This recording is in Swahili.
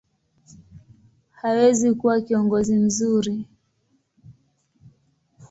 hawezi kuwa kiongozi mzuri.